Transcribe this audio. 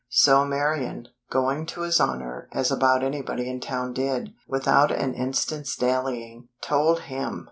So Marian, going to His Honor, as about anybody in town did, without an instant's dallying, "told him